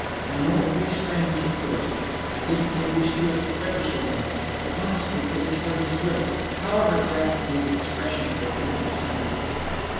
I know it will be strange at first—I didn't get used to it for ever so long—but, honestly, it is for his good, however ghastly the expression of the thing may sound."